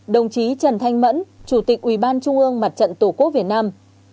một mươi hai đồng chí trần thanh mẫn chủ tịch ủy ban trung ương mặt trận tổ quốc việt nam